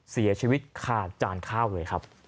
เสียชีวิตขาดจานข้าวเลยครับ